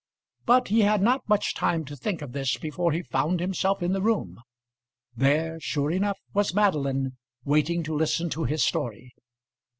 But he had not much time to think of this before he found himself in the room. There, sure enough, was Madeline waiting to listen to his story.